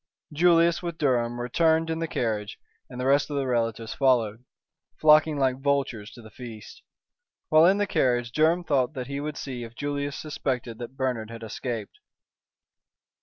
Julius with Durham returned in the carriage, and the rest of the relatives followed, flocking like vultures to the feast. While in the carriage Durham thought he would see if Julius suspected that Bernard had escaped.